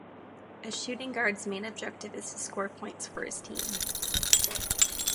A shooting guard's main objective is to score points for his team.